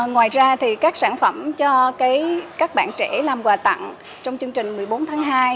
ngoài ra thì các sản phẩm cho các bạn trẻ làm quà tặng trong chương trình một mươi bốn tháng hai